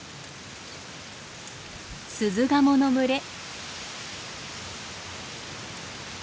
スズガモの群れ。